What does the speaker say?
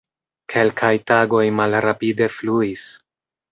Kelkaj tagoj malrapide fluis.